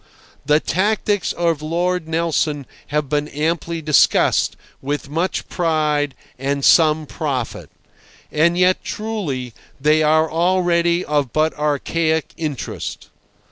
The tactics of Lord Nelson have been amply discussed, with much pride and some profit. And yet, truly, they are already of but archaic interest.